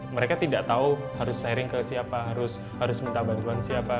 mereka tidak tahu harus sharing ke siapa harus minta bantuan siapa